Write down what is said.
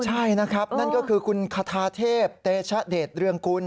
ใช่นะครับนั่นก็คือคุณคาทาเทพเตชะเดชเรืองกุล